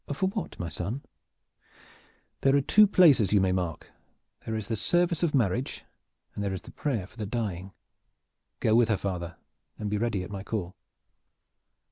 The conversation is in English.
"For what, my son?" "There are two places you may mark; there is the service of marriage and there is the prayer for the dying. Go with her, father, and be ready at my call."